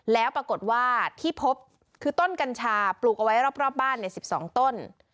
แล้วปรากฏว่าที่พบคือต้นกัญชาปลูกเอาไว้รอบบ้าน๑๒ต้น